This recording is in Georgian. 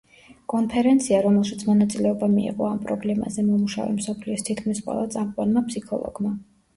კონფერენცია, რომელშიც მონაწილეობა მიიღო ამ პრობლემაზე მომუშავე მსოფლიოს თითქმის ყველა წამყვანმა ფსიქოლოგმა.